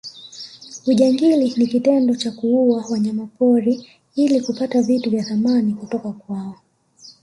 ujangili ni kitendo cha kuua wanyamapori ili kupata vitu vya thamani kutoka kwao